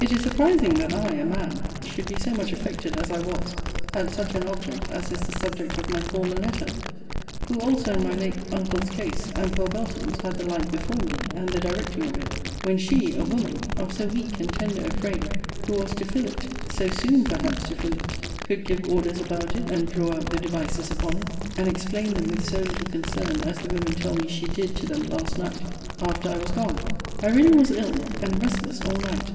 It is surprising, that I, a man, should be so much affected as I was, at such an object as is the subject of my former letter; who also, in my late uncle's case, and poor Belton's had the like before me, and the directing of it: when she, a woman, of so weak and tender a frame, who was to fill it (so soon perhaps to fill it!) could give orders about it, and draw out the devices upon it, and explain them with so little concern as the women tell me she did to them last night after I was gone. I really was ill, and restless all night.